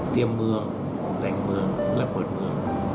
เมืองแต่งเมืองและเปิดเมือง